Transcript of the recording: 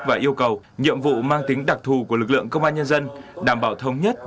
và yêu cầu nhiệm vụ mang tính đặc thù của lực lượng công an nhân dân đảm bảo thống nhất